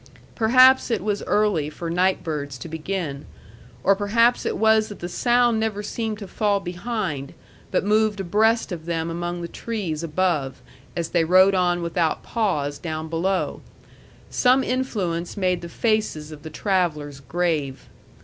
Perhaps it was early for night birds to begin; or perhaps it was that the sound never seemed to fall behind, but moved abreast of them among the trees above, as they rode on without pause down below; some influence made the faces of the travellers grave.